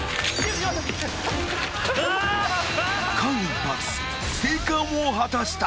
［間一髪生還を果たした］